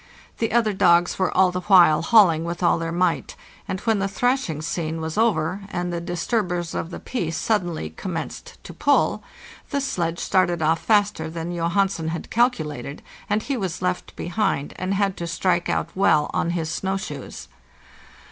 The other dogs were all the while hauling with all their might, and when the thrashing scene was over, and the disturbers of the peace suddenly commenced to pull, the sledge started off faster than Johansen had calculated, and he was left behind and had to strike out well on his snow shoes.